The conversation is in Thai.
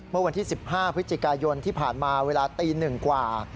เมื่อวันที่๑๕พฤศจิกายนที่ผ่านมาเวลาตี๑กว่า